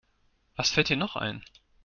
Was fällt dir noch ein?